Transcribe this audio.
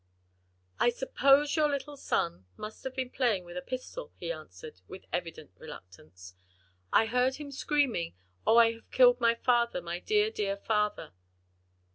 "I suppose your little son must have been playing with a pistol," he answered, with evident reluctance. "I heard him screaming, 'O, I've killed my father, my dear, dear father!'"